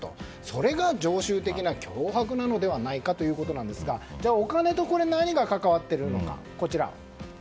それが常習的な脅迫なのではないかということですがじゃあ、お金と何が関わっているのか。